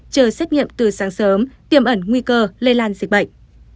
chờ xét nghiệm từ sáng sớm tiêm ẩn nguy cơ lây lan dịch bệnh